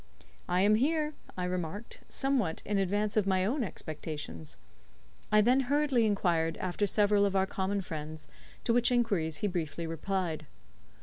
"I am here," I remarked, "somewhat in advance of my own expectations." I then hurriedly enquired after several of our common friends, to which enquiries he briefly replied.